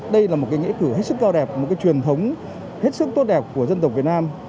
đây là một cái nghĩa cử hết sức cao đẹp một cái truyền thống hết sức tốt đẹp của dân tộc việt nam